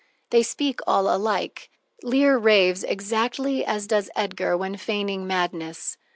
They speak all alike. Lear raves exactly as does Edgar when feigning madness.